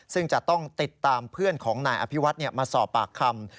ซึ่งจะต้องติดตามเพื่อนของนายอภิวัฒน์มาสอบปากคำ